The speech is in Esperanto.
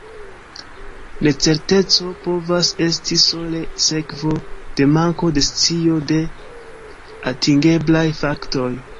Necerteco povas esti sole sekvo de manko de scio de atingeblaj faktoj.